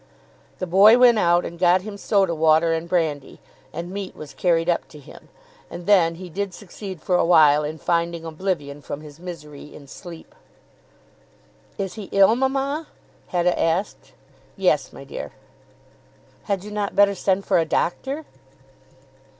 The boy went out and got him soda water and brandy, and meat was carried up to him, and then he did succeed for a while in finding oblivion from his misery in sleep. "Is he ill, mamma?" Hetta asked. "Yes, my dear." "Had you not better send for a doctor?"